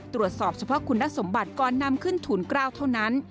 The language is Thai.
ตรวจสอบเฉพาะคุณสมบัติก่อนนำขึ้นทูล๙เท่านั้น